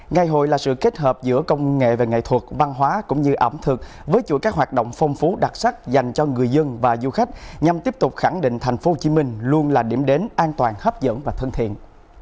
ngày hội là sự kết hợp giữa công nghệ và nghệ thuật văn hóa cũng như ẩm thực với chuỗi các hoạt động phong phú đặc sắc dành cho người dân và du khách nhằm tiếp tục khẳng định tp hcm luôn là điểm đến an toàn hấp dẫn và thân thiện